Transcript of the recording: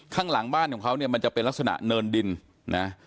ข้างหลังบ้านของเขาเนี่ยมันจะเป็นลักษณะเนินดินนะ